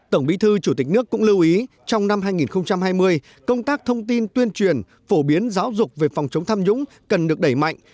tổng bí thư chủ tịch nước cũng lưu ý trong năm hai nghìn hai mươi công tác thông tin tuyên truyền phổ biến giáo dục về phòng chống tham nhũng cần được đẩy mạnh